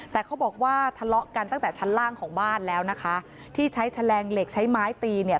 แต่เขาบอกว่าทะเลาะกันตั้งแต่ชั้นล่างของบ้านแล้วนะคะที่ใช้แฉลงเหล็กใช้ไม้ตีเนี่ย